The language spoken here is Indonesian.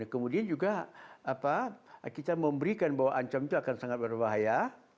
dan kemudian juga kita memberikan bahwa ancam itu akan sangat berbahaya